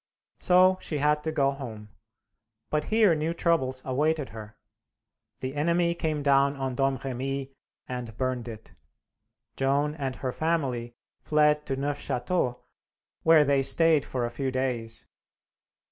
So she had to go home; but here new troubles awaited her. The enemy came down on Domremy and burned it; Joan and her family fled to Neufchateau, where they stayed for a few days.